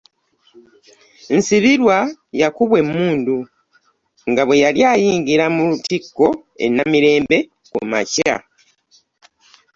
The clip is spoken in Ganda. Nsibirwa yakubwa emmundu nga bwe yali ayingira mu Lutikko e Namirembe kumakya.